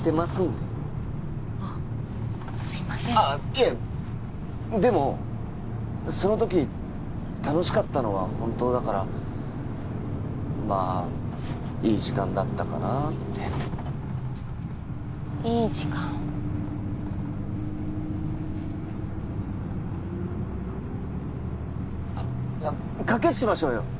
いえでもその時楽しかったのは本当だからまあいい時間だったかなあっていい時間あっ賭けしましょうよ